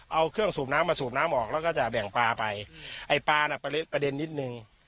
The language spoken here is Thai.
เอาเครื่องสูบน้ำมาสูบน้ำออกแล้วก็จะแบ่งปลาไปไอ้ปลาน่ะประเด็นนิดนึง